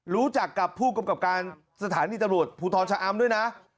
รู้จักกับผู้กำกับการสถานีตำรวจภูทรชะอำด้วยนะ